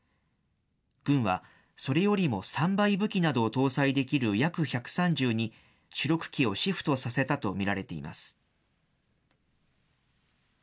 軍はそれよりも３倍武器などを搭載できるＹａｋ１３０に主力機をシフトさせたと見られています。